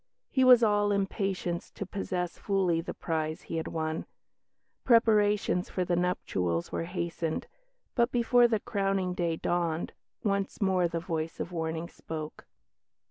He was all impatience to possess fully the prize he had won; preparations for the nuptials were hastened, but, before the crowning day dawned, once more the voice of warning spoke.